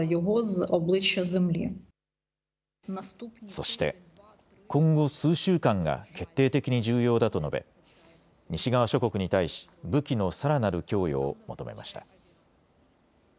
そして今後数週間が決定的に重要だと述べ西側諸国に対し、武器のさらなる供与を求めました。